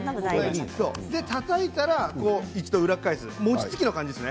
たたいたら一度裏返す餅つきな感じですね。